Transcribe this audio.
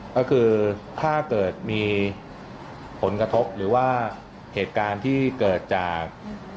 ก็คือถ้าเกิดมีผลกระทบหรือว่าเหตุการณ์ที่เกิดจาก